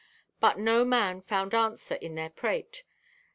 But no man found answer in their prate.